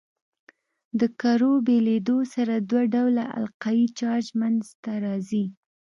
د کرو بېلېدو سره دوه ډوله القایي چارج منځ ته راځي.